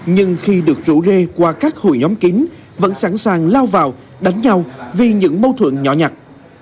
nhưng khi được rủ rê qua các hội nhóm kính vẫn sẵn sàng lao vào đánh nhau vì những mâu thuẫn nhỏ nhặt